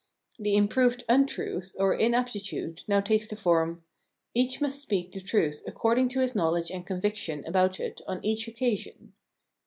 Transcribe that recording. The improved untruth, or inaptitude now takes the form :" each must speak the truth according to his knowledge and conviction about it on each occasion."